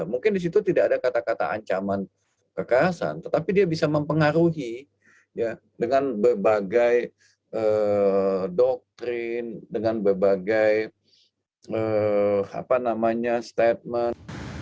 mungkin di situ tidak ada kata kata ancaman kekerasan tetapi dia bisa mempengaruhi dengan berbagai doktrin dengan berbagai statement